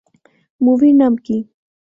মুভির নাম কি?